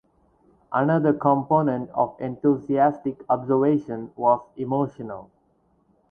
Another component of enthusiastic observation was emotional.